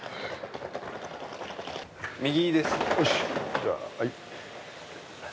じゃあはい。